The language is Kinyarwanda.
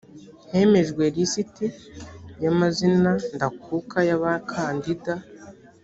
hemejwe lisiti y’amazina ndakuka y’abakandida